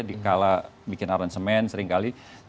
dikala bikin aransemen seringkali